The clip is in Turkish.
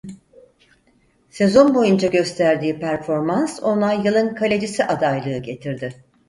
Sezon boyunca gösterdiği performans ona yılın kalecisi adaylığı getirdi.